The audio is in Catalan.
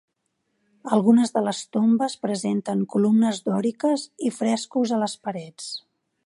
Algunes de les tombes presenten columnes dòriques i frescos a les parets.